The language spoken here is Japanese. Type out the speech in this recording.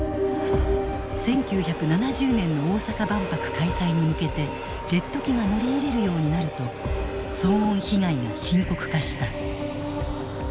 １９７０年の大阪万博開催に向けてジェット機が乗り入れるようになると騒音被害が深刻化した。